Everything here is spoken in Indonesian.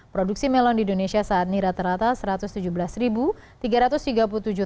produksi melon di indonesia saat ini rata rata satu ratus tujuh belas ribu